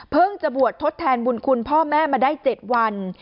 จะบวชทดแทนบุญคุณพ่อแม่มาได้๗วัน